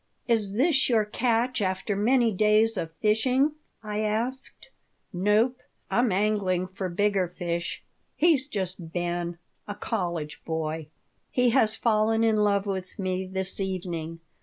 "Is this your catch after many days of fishing?" I asked "Nope. I'm angling for bigger fish. He's just Ben, a college boy. He has fallen in love with me this evening.